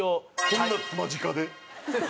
こんな間近で？